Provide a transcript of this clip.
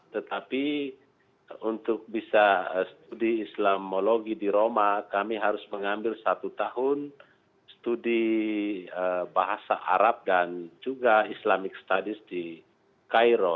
tetapi untuk bisa studi islamologi di roma kami harus mengambil satu tahun studi bahasa arab dan juga islamic studies di cairo